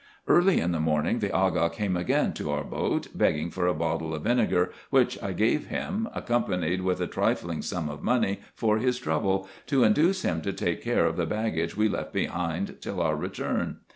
Early in the morning the Aga came again to our boat, begging for a bottle of vinegar, which I gave him, accompanied with a trifling sum of money for his trouble, to induce him to take care of the baggage we left behind till our return.